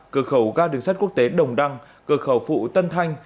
cửa khẩu ga đường sắt quốc tế đồng đăng cửa khẩu phụ tân thanh